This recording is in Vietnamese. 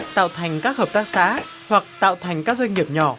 tạo thành các hợp tác xã hoặc tạo thành các doanh nghiệp nhỏ